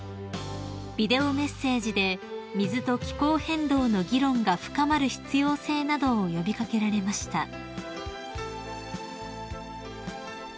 ［ビデオメッセージで水と気候変動の議論が深まる必要性などを呼び掛けられました］